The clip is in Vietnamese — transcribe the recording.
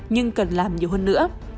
nhưng cần làm nhiều hơn nữa